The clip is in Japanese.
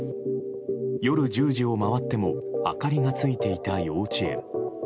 夜１０時を回っても明かりがついていた幼稚園。